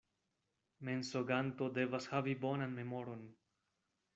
Mensoganto devas havi bonan memoron.